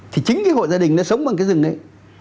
thì chính cái hộ gia đình nó sống bằng cái rừng ấy